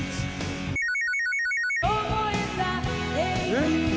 えっ？